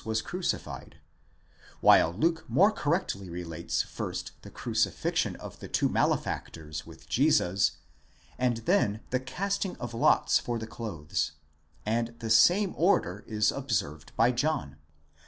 was crucified : while Luke more correctly relates first the crucifixion of the two malefactors with Jesus, and then the casting of lots for the clothes ; and the same order is observed by John.